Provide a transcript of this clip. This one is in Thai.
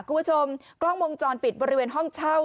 คุณผู้ชมกล้องวงจรปิดบริเวณห้องเช่า